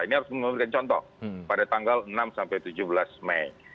ini harus menunjukkan contoh pada tanggal enam tujuh belas mei